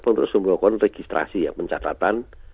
menurut semua orang registrasi ya pencatatan